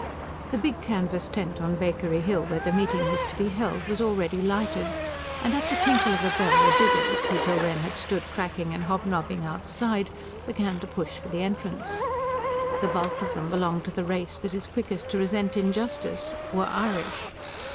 The big canvas tent on Bakery Hill, where the meeting was to be held, was already lighted; and at the tinkle of a bell the diggers, who till then had stood cracking and hobnobbing outside, began to push for the entrance. The bulk of them belonged to the race that is quickest to resent injustice were Irish.